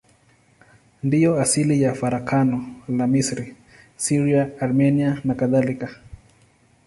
Ndiyo asili ya farakano la Misri, Syria, Armenia nakadhalika.